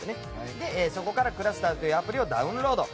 そこからｃｌｕｓｔｅｒというアプリをダウンロード。